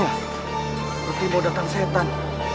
seperti mau datang setan